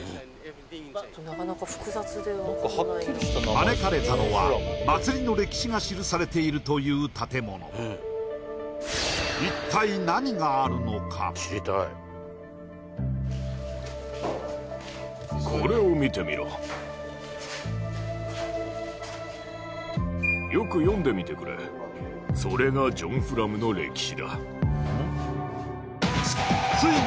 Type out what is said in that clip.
招かれたのは祭りの歴史が記されているという建物よく読んでみてくれそれがジョン・フラムの歴史だついに